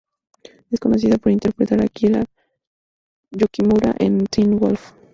Es conocida por interpretar a Kira Yukimura en "Teen Wolf".